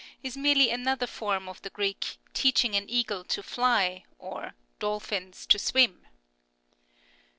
is merely another form of the Greek " Teaching an eagle to fly " or " dolphins to swim."